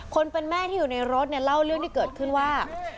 คนเป็นแม่ที่อยู่ในรถเนี่ยเล่าเรื่องที่เกิดขึ้นว่า